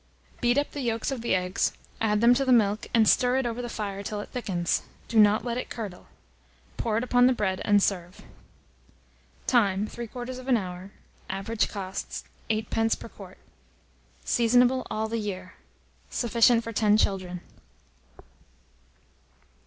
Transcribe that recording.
Beat up the yolks of the eggs, add them to the milk, and stir it over the fire till it thickens. Do not let it curdle. Pour it upon the bread, and serve. Time. 3/4 of an hour. Average cost, 8d. per quart. Seasonable all the year. Sufficient for 10 children.